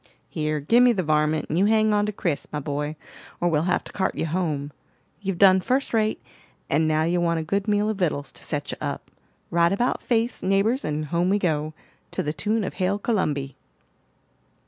"Here, give me the varmint, and you hang on to Chris, my boy, or we'll have to cart you home. You've done first rate, and now you want a good meal of vittles to set you up. Right about face, neighbors, and home we go, to the tune of Hail Columby."